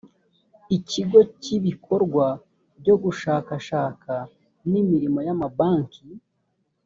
ikigo cy’ibikorwa byo gushakashaka n’imirimo y’amabanki